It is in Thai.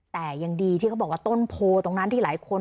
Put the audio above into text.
แต่ยังดีที่เขาบอกว่าต้นโพตรงนั้นที่หลายคน